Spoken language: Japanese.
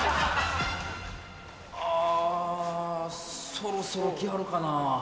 あそろそろ来はるかな？